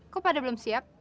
kok pada belum siap